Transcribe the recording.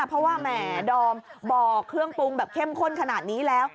เพราะว่าแหมดอมบอกเครื่องปรุงแบบเข้มข้นขนาดนี้แล้ว